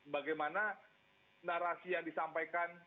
bagaimana narasi yang disampaikan